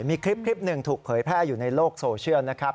มีคลิปหนึ่งถูกเผยแพร่อยู่ในโลกโซเชียลนะครับ